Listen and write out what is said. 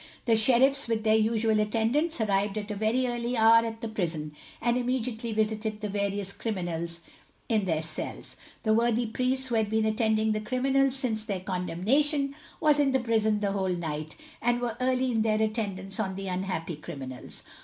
The sheriffs, with their usual attendants, arrived at a very early hour at the prison, and immediately visited the various criminals in their cells. The worthy priests who had been attending the criminals since their condemnation, was in the prison the whole night, and were early in their attendance on the unhappy criminals.